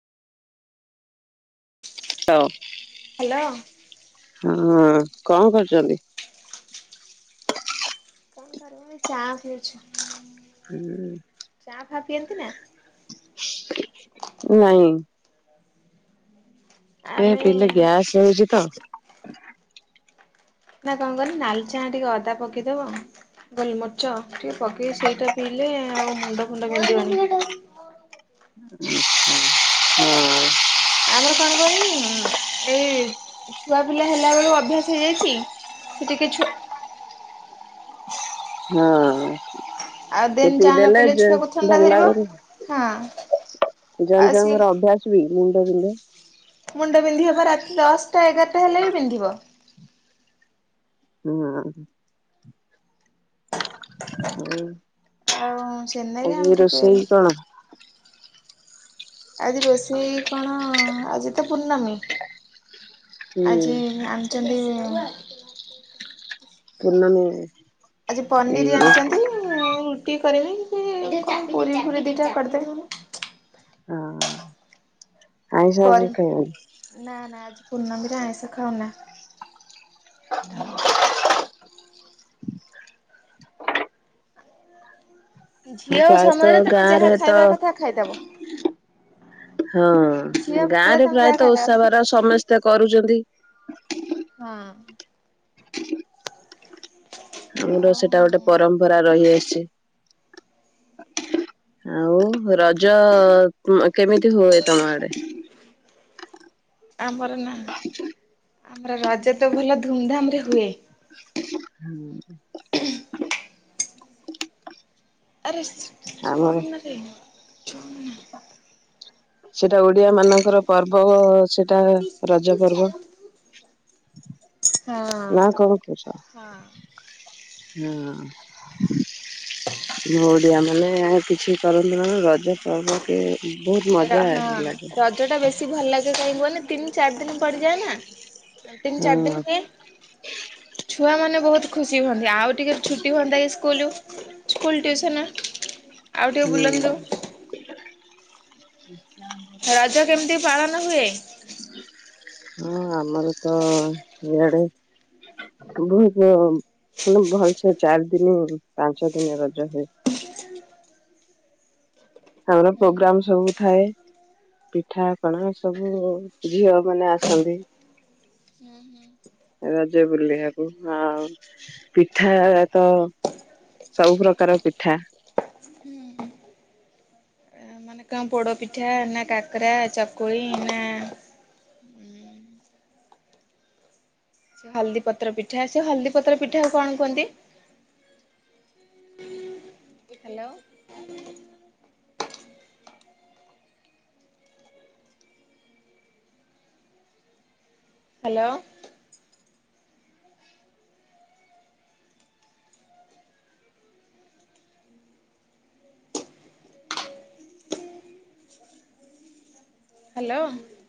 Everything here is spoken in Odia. ହଉ। ହ୍ୟାଲୋ। ହଁ କଣ କରୁଛନ୍ତି? କଣ କରିମି ଚା ପିଉଛୁ। ହୁଁ। ଚା ପିଅନ୍ତି ନା? ନାଇଁ। ଏ ଆମେ ପିଲେ ନା ଗ୍ୟାସ୍ ହଉଚି ତ। [inaudible] ନା କଣ କନି ନାଲ ଚାଁ ଟିକେ ଅଦା ପକେଇଦବ ଗୋଲମରିଚ ଟିକେ ପକେଇ ସେଇଟା ପିଇଲେ ଆଉ ମୁଣ୍ଡ ଫୁଣ୍ଡ ବିନ୍ଧିବନି। ଆଛା ହଁ। ଆମର କଣ କନି ଏଇ ଛୁଆ ପିଲା ହେଲା ବେଳୁ ଅଭ୍ୟାସ ହେଇଯାଇଛି ସେ ଟିକି ଛୁଆ ହଁ। ଆଉ ଟିକେ ଦିନେ ଚା ପିଇଦେଲେ ନପିଲେ ଯେ ଛୁଆକୁ ଭଲ ଥଣ୍ଡା ଧରିବ ଲାଗୁନି। ହଁ। ଜଣ ଆଉ ଜଣ ସିଏ ଙ୍କର ଅଭ୍ୟାସ ବି ମୁଣ୍ଡାବିଧେ। ମୁଣ୍ଡ ବିନ୍ଧି ପା ରାତି ଦଶଟା ଏଗାରଟା ହେଲେ ବି ପିନ୍ଧିବ। ହୁଁ। ଆଉ। ଆଉ ସେନାଗି ଆମେ ଆଜି ଟିକେ ରୋଷେଇ କଣ? ଆଜି ରୋଷେଇ କଣ ଆଜି ତ ପୂର୍ଣମୀ। ହୁଁ ଆଜି ଆଣିଛନ୍ତି ପୂର୍ଣ୍ଣମି [inaudible] କିଏ କରିବି କଣ ଗୋରି ଘୋରି ଦିଟା କରିଦେବ ଆଇଁଷ ଆଜି ଖାଇବନି। ପୂର୍ଣ୍ଣମିରେ ଆଇଁଷ ଖାଉନା। ହଁ ଝିଅ ପ୍ରାୟତଃ ସମୟରେ ତମେ ଗାଁରେ ଯାହା ତ ଖାଇବା କଥା ଖାଇଦବ। ହଁ ଝିଅ ବେଳେ ଗାଁ ରେ ତମେ ଯାହା ପ୍ରାୟତଃ ଖାଇବା ଓଷା କଥା ବାର ସମସ୍ତେ କରୁଛନ୍ତି। ହଁ ଆମର ସେଇଟା ଗୋଟେ ଆଉ ପରମ୍ପରା ରହିଆସିଛି ଆଉ ରଜ କେମିତି ହୁଏ ତମ ଆଡେ? ଆମର ନା ଆମର ରଜ ତ ଭଲ ଧୁମ ଧାମ ରେ ହୁଏ। ହୁଁ [inaudible] [inaudible] ଆରେ ଆମର [inaudible] ଛ [inaudible] ସେଟା ଓଡିଆ ମାନଙ୍କର ପର୍ବ ସେ ଏଟା ରଜ ପର୍ବ। ହଁ ନା କଣ ପୁଛ ହଁ। ହଁ ମ ଓଡ଼ିଆ ମାନ କିଛି କରନ୍ତି ନାହି ରଜ ପର୍ବ କି ବହୁତ ମଜା ହଁ ଲାଗେ। ରଜ ଟା ବେଶୀ ଭଲ ଲାଗେ କାହିଁ କୁହନି ତିନି ଚାରି ଦିନ ପଡ଼ିଯାଏ ନା। ତିନି ଚାରି ହଁ ଦିନ ହୁଏ ଛୁଆ ମାନେ ବହୁତ ଖୁସି ହୁଅନ୍ତି ଆଉ ଟିକେ ଛୁଟି ହୁଅନ୍ତା କି ସ୍କୁଲ ସ୍କୁଲ ଟିଉସନ। ଆଜି ଆଣିଛନ୍ତି ଇଁ ଆଜି ଆଣିଛନ୍ତି ଇଁ ଆଜି କେମିତି ପାଳନ ହୁଏ? ଆଣିଛନ୍ତି ଇଁ ହଁ ଆମର ତ ଇଆଡେ ବହୁତ ମ ଭଲସେ ଚାରି ଦିନ ପାଞ୍ଚ ଦିନ ରଜ ହୁଏ। ଆମର ପ୍ରୋଗ୍ରାମ ସବୁ ଥାଏ ପିଠାପଣା ସବୁ ଝିଅ ମାନେ ଆସନ୍ତି ରଜ ବୁଲିବାକୁ ଆଉ ପିଠା ତ ସବୁ ପ୍ରକାର ପିଠା ପୋଡ଼ପିଠା ନା କକରା ଚକୁଳି ନା ସେ ହଳଦୀ ପତ୍ର ପିଠା ସେ ହଳଦୀ ପତ୍ର ପିଠାକୁ କଣ କୁହନ୍ତି? Hello hello hello